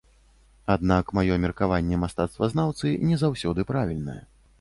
Аднак мае меркаванне мастацтвазнаўцы не заўсёды правільнае.